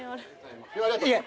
いえ。